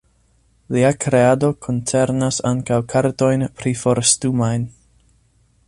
Lia kreado koncernas ankaŭ kartojn priforstumajn.